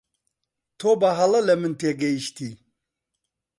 تۆ بەهەڵە لە من تێگەیشتی.